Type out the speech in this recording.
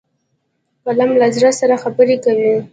قلم له زړه سره خبرې کوي